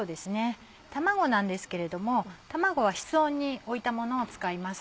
卵なんですけれども卵は室温に置いたものを使います。